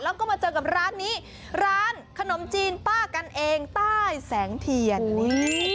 แล้วก็มาเจอกับร้านนี้ร้านขนมจีนป้ากันเองใต้แสงเทียนนี่